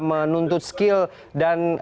menuntut skill dan